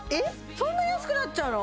そんな安くなっちゃうの？